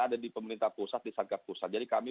ada di pemerintah pusat di satgas pusat jadi kami